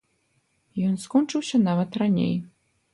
Ён скончыўся нават раней.